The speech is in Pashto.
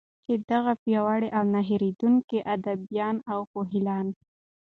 چې دغه پیاوړي او نه هیردونکي ادېبان او پوهیالان